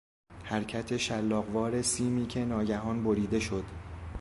حرکت شلاقوار سیمی که ناگهان بریده شد.